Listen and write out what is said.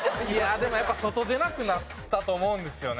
でもやっぱ外出なくなったと思うんですよね。